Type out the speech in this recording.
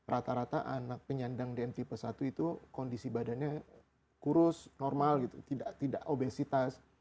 rata rata anak penyandang dn tipe satu itu kondisi badannya kurus normal gitu tidak obesitas